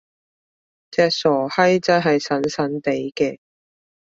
隻傻閪真係神神地嘅！